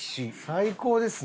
最高ですね。